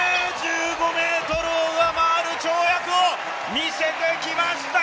１５ｍを上回る跳躍を見せてきました